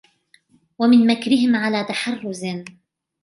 وَمِنْ مَكْرِهِمْ عَلَى تَحَرُّزٍ